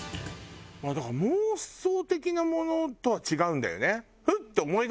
だから妄想的なものとは違うんだよね。